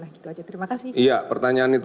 nah gitu aja terima kasih iya pertanyaan itu